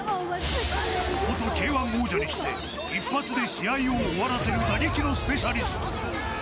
元Ｋ‐１王者にして一発で試合を終わらせる打撃のスペシャリスト。